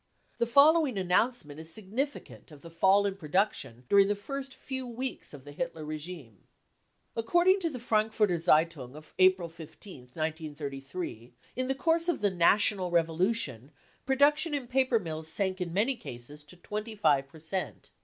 The following announcement is significant of the fall in production during the first few weeks of the Hitler regime :" According to the Frankfurter Z e ^ iun i of April 15th, 1 933 > the course of the c national revolution 3 pro duction in paper mills sank in many cases to 25 per cent.